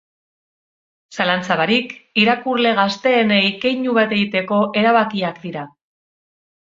Zalantza barik, irakurle gazteenei keinu bat egiteko erabakiak dira.